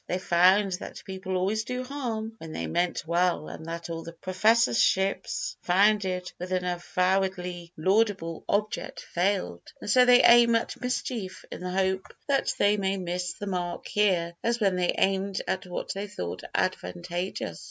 They found that people always did harm when they meant well and that all the professorships founded with an avowedly laudable object failed, so they aim at mischief in the hope that they may miss the mark here as when they aimed at what they thought advantageous.